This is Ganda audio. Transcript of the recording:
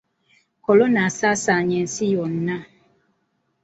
Kolona asaasaanye ensi yonna.